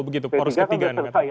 pertiga kan sudah selesai ya ke sana